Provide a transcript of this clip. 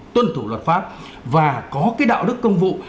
tuân thủ luật pháp và có cái đạo đức công vụ